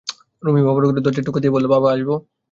রুমী বাবার ঘরের দরজায় টোকা দিয়ে বলল, বাবা, আসব?